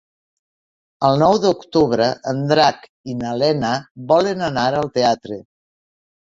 El nou d'octubre en Drac i na Lena volen anar al teatre.